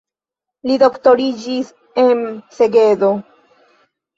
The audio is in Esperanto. Li doktoriĝis en Segedo.